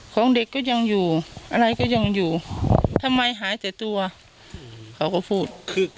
ของเด็กก็ยังอยู่อะไรก็ยังอยู่ทำไมหายแต่ตัวเขาก็พูดคือ